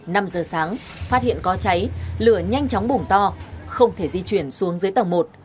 năm giờ sáng phát hiện có cháy lửa nhanh chóng bùng to không thể di chuyển xuống dưới tầng một